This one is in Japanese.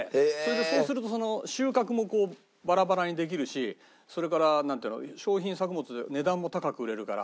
そうすると収穫もバラバラにできるしそれからなんていうの商品作物で値段も高く売れるから。